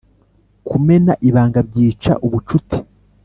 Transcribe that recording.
Kumena ibanga byica ubucuti